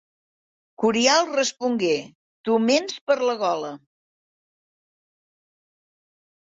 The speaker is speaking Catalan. Curial respongué: Tu ments per la gola.